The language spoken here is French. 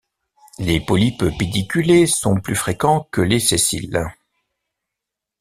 Les polypes pédiculés sont plus fréquents que les sessiles.